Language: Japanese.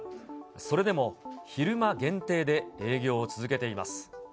それでも昼間限定で営業を続けています。